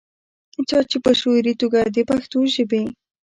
چا چې پۀ شعوري توګه دَپښتو ژبې